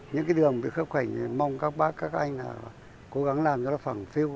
những đường bị khớp khỉnh mong các bác các anh cố gắng làm cho nó phẳng phiêu